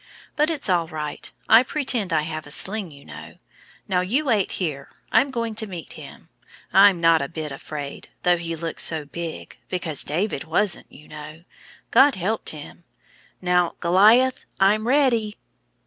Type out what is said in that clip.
But it's all right; I pretend I have a sling, you know. Now you wait here; I'm going to meet him. I'm not a bit afraid, though he looks so big, because David wasn't, you know. God helped him. Now, Goliath, I'm ready!"